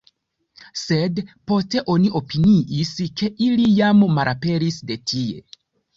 Sed poste oni opiniis ke ili jam malaperis de tie.